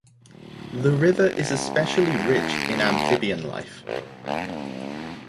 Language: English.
The river is especially rich in amphibian life.